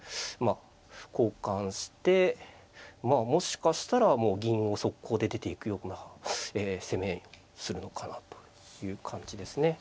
あ交換してもしかしたらもう銀を速攻で出ていくような攻めするのかなという感じですね。